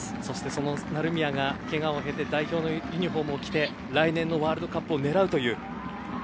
その成宮がけがを経て代表のユニホームを着て来年のワールドカップを狙うという。